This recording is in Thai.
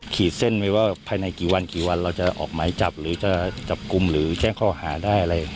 ขีดเส้นไว้ว่าภายในกี่วันกี่วันเราจะออกหมายจับหรือจะจับกลุ่มหรือแจ้งข้อหาได้อะไร